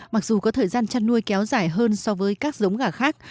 mặc dù có thời gian chăn nuôi kéo dài hơn so với các giống gà khác